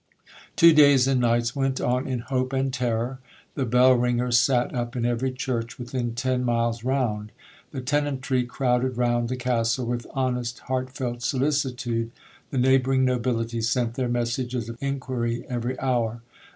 'Two days and nights went on in hope and terror—the bell ringers sat up in every church within ten miles round—the tenantry crowded round the Castle with honest heartfelt solicitude—the neighbouring nobility sent their messages of inquiry every hour.